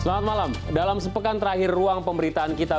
selamat malam dalam sepekan terakhir ruang pemberitaan kita